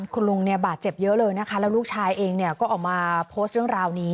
คุณลุงเนี่ยบาดเจ็บเยอะเลยนะคะแล้วลูกชายเองเนี่ยก็ออกมาโพสต์เรื่องราวนี้